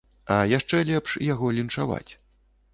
А яшчэ лепш яго лінчаваць.